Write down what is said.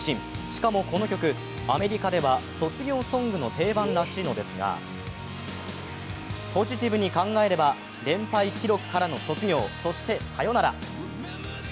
しかもこの曲、アメリカでは卒業ソングの定番らしいのですがポジティブに考えれば連敗記録からの卒業、そしてさよなら。